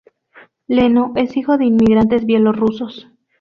Leno es hijo de inmigrantes bielorrusos.